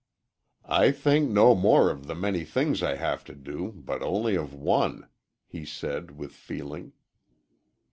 "I think no more of the many things I have to do, but only of one," he said, with feeling.